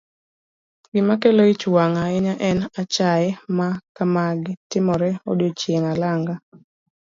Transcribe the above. Gima kelo ich wang' ahinya en achaye ma kamagi timore odichieng' alanga.